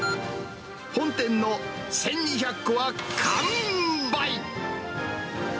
本店の１２００個は完売。